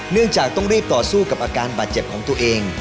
เนื่องจากต้องรีบต่อสู้กับอาการบาดเจ็บของตัวเอง